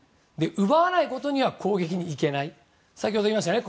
奪わないことには攻撃にいけない先ほど言いましたね